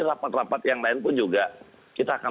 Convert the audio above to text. rapat rapat yang lain pun juga kita akan